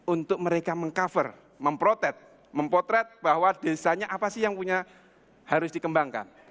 untuk mereka meng cover memprotet mempotret bahwa desanya apa sih yang punya harus dikembangkan